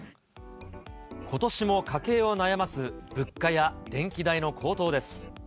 ことしも家計を悩ます、物価や電気代の高騰です。